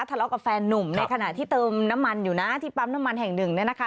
ทะเลาะกับแฟนนุ่มในขณะที่เติมน้ำมันอยู่นะที่ปั๊มน้ำมันแห่งหนึ่งเนี่ยนะคะ